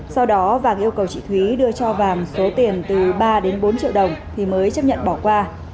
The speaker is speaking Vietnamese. sau đó vàng yêu cầu chị thúy đưa cho vàm số tiền từ ba đến bốn triệu đồng thì mới chấp nhận bỏ qua